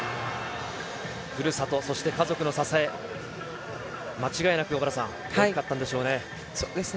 ふるさと、そして家族の支え、間違いなく小原さん、大きかったんでしょうね。